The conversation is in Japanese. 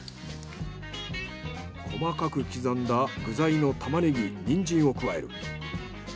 細かく刻んだ具材のたまねぎニンジンを加える。